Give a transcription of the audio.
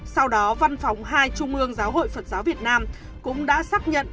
sau đó văn phòng hai trung ương giáo hội phật giáo việt nam cũng đã xác nhận